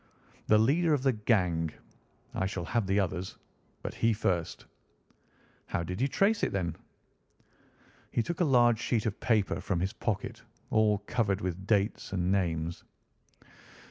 "The leader of the gang. I shall have the others, but he first." "How did you trace it, then?" He took a large sheet of paper from his pocket, all covered with dates and names.